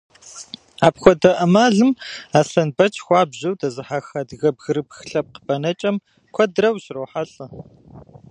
Апхуэдэ ӏэмалым Аслъэнбэч хуабжьу дэзыхьэх адыгэ бгырыпх лъэпкъ бэнэкӏэм куэдрэ ущрохьэлӏэ.